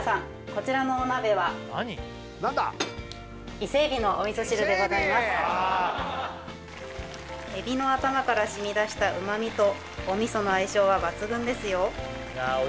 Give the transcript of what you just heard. こちらのお鍋は海老の頭からしみ出した旨味とお味噌の相性は抜群ですよ